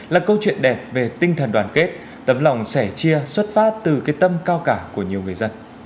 là câu chuyện đẹp về tinh thần đoàn kết tấm lòng sẻ chia xuất phát từ cái tâm cao cả của nhiều người dân